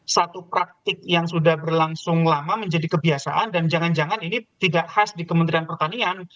satu praktik yang sudah berlangsung lama menjadi kebiasaan dan jangan jangan ini tidak khas di kementerian pertanian